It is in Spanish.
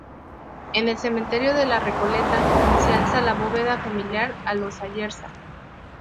En el Cementerio de la Recoleta se alza la bóveda familiar de los Ayerza.